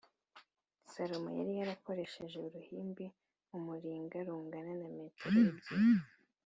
“salomo yari yarakoresheje uruhimbi mu muringa rungana na metero ebyiri